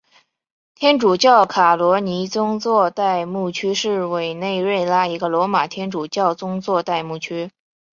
天主教卡罗尼宗座代牧区是委内瑞拉一个罗马天主教宗座代牧区。